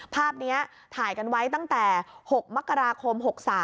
ภาพนี้ถ่ายกันไว้ตั้งแต่๖มกราคม๖๓